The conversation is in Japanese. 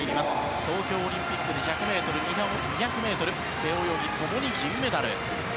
東京オリンピックでは１００ｍ２００ｍ背泳ぎで共に銀メダル。